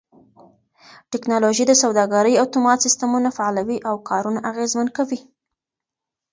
ټکنالوژي د سوداګرۍ اتومات سيستمونه فعالوي او کارونه اغېزمن کوي.